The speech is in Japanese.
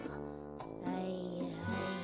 はいはい。